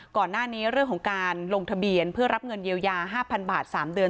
ก่อนหน้านี้เรื่องของการลงทะเบียนเพื่อรับเงินเยียวยา๕๐๐บาท๓เดือน